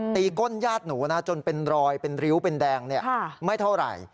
ก้นญาติหนูนะจนเป็นรอยเป็นริ้วเป็นแดงไม่เท่าไหร่